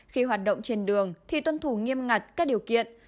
khi hoạt động trên đường thì tuân thủ nghiêm ngặt các điều kiện